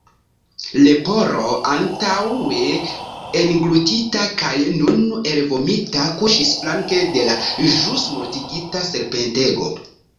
Leporo, antaŭe englutita kaj nun elvomita, kuŝis flanke de la ĵus mortigita serpentego.